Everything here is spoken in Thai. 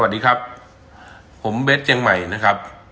สวัสดีครับผมเบสเชียงใหม่นะครับ